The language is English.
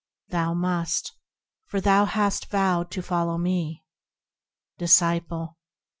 Thou must, for thou hast vowed to follow me. Disciple.